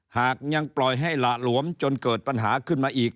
หากยังปล่อยให้หละหลวมจนเกิดปัญหาขึ้นมาอีก